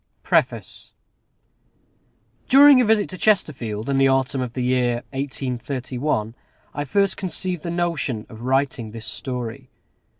PREFACE During a visit to Chesterfield, in the autumn of the year 1831, I first conceived the notion of writing this story.